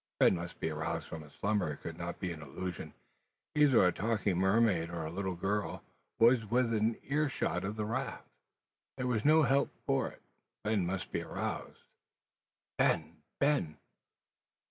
Ben must be aroused from his slumber. It could not be an illusion. Either a talking mermaid, or a little girl, was within earshot of the raft. There was no help for it: Ben must be aroused. "Ben! Ben!"